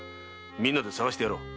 みんなで捜してやろう。